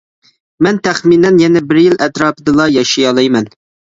مەن تەخمىنەن يەنە بىر يىل ئەتراپىدىلا ياشىيالايمەن.